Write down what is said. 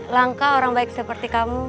langkah orang baik seperti kamu